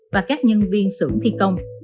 và các nhân viên sưởng thi công